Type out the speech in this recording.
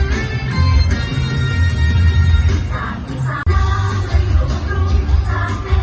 พี่ห้าเกดออกมาพี่ห้าตอนนั้นมาลองเล่น